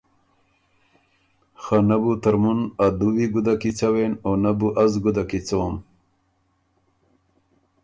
خه نۀ بو ترمُن ا دُوی ګُده کی څوېن او نۀ بو از ګده کی څوم۔